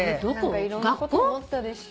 いろんなこと思ったでしょ。